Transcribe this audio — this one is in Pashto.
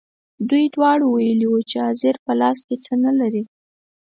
دوی دواړو ویلي وو چې حاضر په لاس کې څه نه لري.